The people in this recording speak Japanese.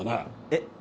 えっ。